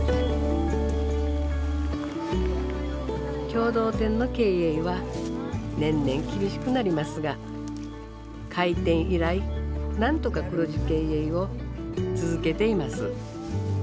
共同店の経営は年々厳しくなりますが開店以来なんとか黒字経営を続けています。